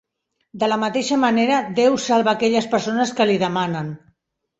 De la mateixa manera, Déu salva a aquelles persones que li demanen.